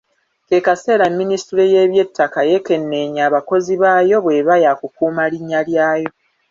Ke kaseera Ministule y’Eby'ettaka yeekenneenye abakozi baayo bw’eba yakukuuma linnya lyayo.